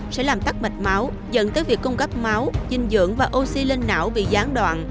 sẽ làm tắt mạch máu dẫn tới việc cung cấp máu dinh dưỡng và oxy lên não bị gián đoạn